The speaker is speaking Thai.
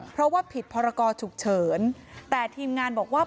เพราะว่าผิดพรกรฉุกเฉินแต่ทีมงานบอกว่า